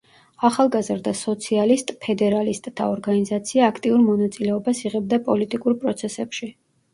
ახალგაზრდა სოციალისტ-ფედერალისტთა ორგანიზაცია აქტიურ მონაწილეობას იღებდა პოლიტიკურ პროცესებში.